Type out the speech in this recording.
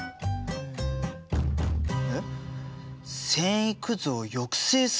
えっ。